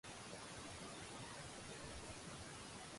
依個好方便携帶，去旅行都得